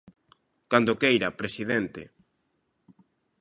Cando queira, presidente.